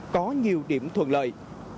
có nhiều điểm thuận lợi